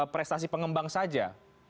prestasi pengembang saja